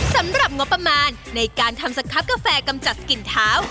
สำหรับงบประมาณในการทำสคับกาแฟกำจัดกลิ่นเท้า